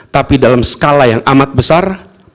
tapi dalam skala yang amat besar